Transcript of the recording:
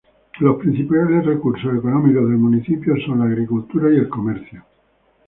Los principales recursos económicos del municipio son la agricultura y el comercio.